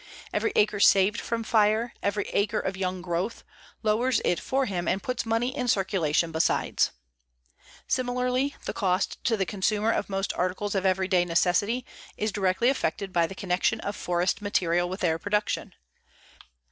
Every acre saved from fire, every acre of young growth, lowers it for him and puts money in circulation besides._ Similarly, the cost to the consumer of most articles of every day necessity is directly affected by the connection of forest material with their production.